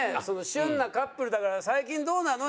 旬なカップルだから「最近どうなの？